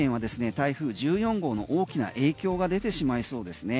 台風１４号の大きな影響が出てしまいそうですね。